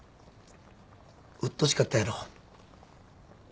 うっとうしかったやろ。